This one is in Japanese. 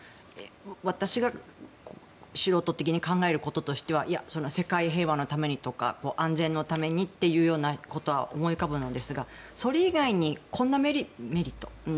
私が素人的に考えることとしては世界平和のためにとか安全のためにというようなことは思い浮かぶのですがそれ以外にメリット。